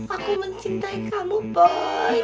aku mencintai kamu boy